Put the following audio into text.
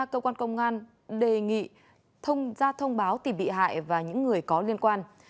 cơ quan công an đề nghị ra thông báo tìm bị hại và những người có liên quan